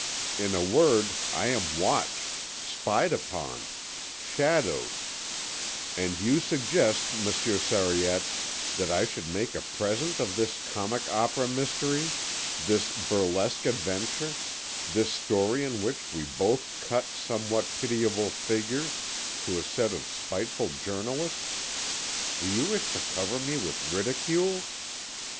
In a word, I am watched, spied upon, shadowed, and you suggest, Monsieur Sariette, that I should make a present of this comic opera mystery, this burlesque adventure, this story in which we both cut somewhat pitiable figures, to a set of spiteful journalists? Do you wish to cover me with ridicule?"